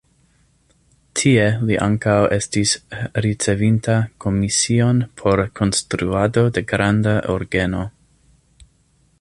Tie li ankaŭ estis ricevinta komision por la konstruado de granda orgeno.